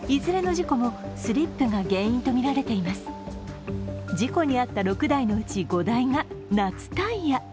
事故に遭った６台のうち５台が夏タイヤ。